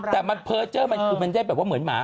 แต่มันเพอร์เจอร์มันคือมันได้แบบว่าเหมือนหมา